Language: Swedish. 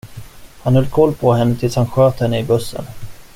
Han höll koll på henne tills han sköt henne i bussen.